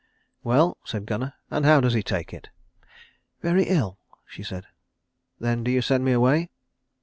"Well," said Gunnar, "and how does he take it?" "Very ill," she said. "Then do you send me away?"